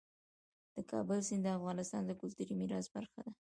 د کابل سیند د افغانستان د کلتوري میراث برخه ده.